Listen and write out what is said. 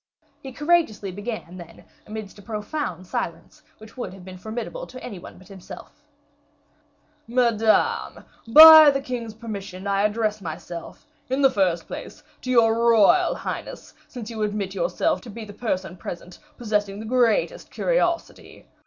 He courageously began, then, amidst a profound silence, which would have been formidable to any one but himself: "Madame, by the king's permission, I address myself, in the first place, to your royal highness, since you admit yourself to be the person present possessing the greatest curiosity.